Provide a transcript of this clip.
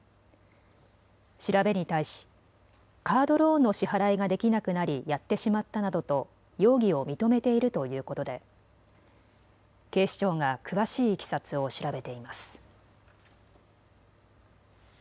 調べに対し、カードローンの支払いができなくなりやってしまったなどと容疑を認めているということで警視庁が詳しいいきさつを調べています。